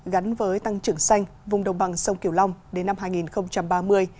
gắn với tăng trưởng xanh vùng đồng bằng sông kiều long đến năm hai nghìn ba mươi